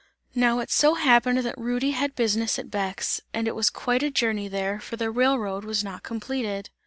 Now it so happened that Rudy had business at Bex and it was quite a journey there, for the railroad was not completed.